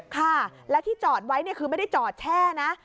ค่ะแล้วที่จอดไว้คือไม่ได้จอดแช่นะ